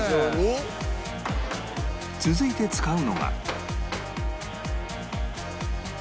続いて使うのが